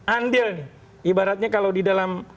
andil nih ibaratnya kalau di dalam